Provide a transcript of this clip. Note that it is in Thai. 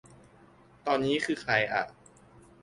ตอนนี้คือใครอ่ะ